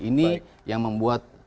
ini yang membuat